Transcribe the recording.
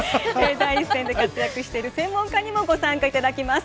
第一線で活躍している専門家にも参加いただきます。